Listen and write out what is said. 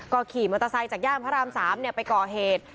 ก็ขี่มอเตอร์ไซค์จากย่านพระราม๓ไปก่อเหตุ